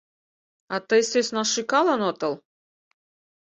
А тый, сӧсна, шӱкалын отыл...